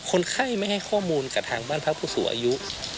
คนไข้ไม่ให้ข้อมูลกับทางบ้านพักผู้สูงอายุ